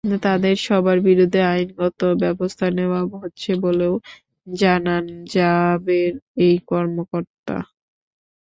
তাঁদের সবার বিরুদ্ধে আইনগত ব্যবস্থা নেওয়া হচ্ছে বলেও জানান র্যাবের এই কর্মকর্তা।